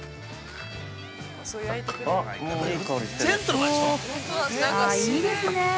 ◆あ、いいですね